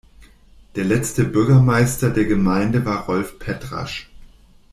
Der letzte Bürgermeister der Gemeinde war Rolf Petrasch.